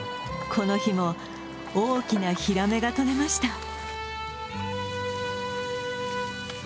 この日も大きなヒラメが取れました。